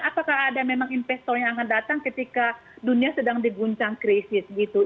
apakah ada memang investor yang akan datang ketika dunia sedang diguncang krisis gitu